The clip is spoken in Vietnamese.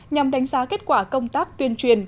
nhằm đánh giá kết quả công tác tuyên truyền